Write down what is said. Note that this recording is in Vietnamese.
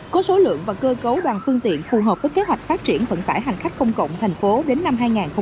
có số lượng và cơ cấu bằng phương tiện phù hợp với kế hoạch phát triển vận tải hành khách công cộng thành phố đến năm hai nghìn hai mươi